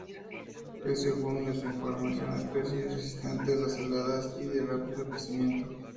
Es según los informes, una especie resistente a las heladas y de rápido crecimiento.